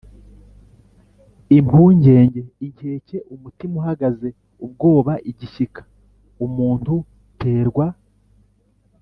impungenge: inkeke, umutima uhagaze, ubwoba, igishyika umuntu terwa